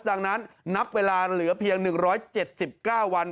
ดังนั้นนับเวลาเหลือเพียง๑๗๙วัน